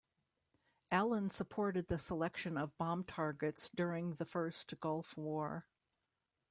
Allen supported the selection of bomb targets during the first Gulf War.